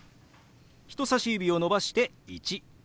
人さし指を伸ばして「１」。